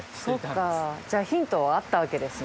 修Δじゃあヒントはあったわけですね。